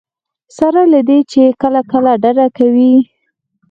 سره له دې چې کله کله ډډه کوي.